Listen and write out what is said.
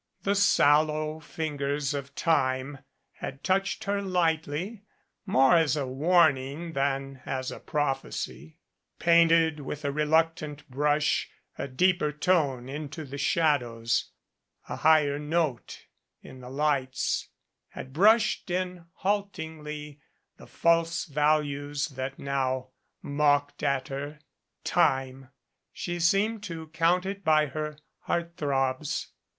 The sallow fingers of Time had touched her lightly, more as a warning than as a prophecy, painted with a reluctant brush a deeper tone into the shadows, a higher note in the lights, had brushed in haltingly the false values that now mocked at her. Time ! She seemed to count it by her heart throbs.